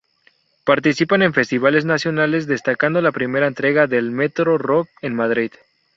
Participan en festivales nacionales, destacando la primera entrega del "Metro Rock" en Madrid.